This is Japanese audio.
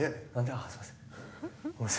ああすいません。